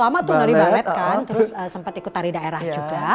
lama tuh nari ballet kan terus sempet ikut tari daerah juga